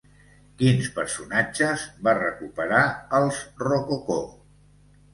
Quins personatges va recuperar els rococó?